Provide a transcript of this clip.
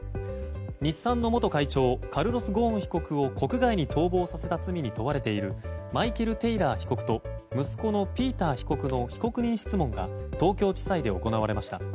日産の元会長カルロス・ゴーン被告を国外に逃亡させた罪に問われているマイケル・テイラー被告と息子のピーター被告の被告人質問が東京地裁で行われました。